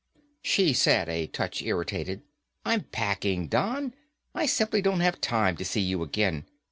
She said, a touch irritated, "I'm packing, Don. I simply don't have time to see you again.